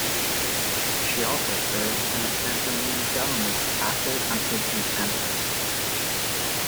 She also served in the Santomean government after the country's independence.